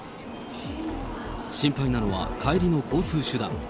心配なのは帰りの交通手段。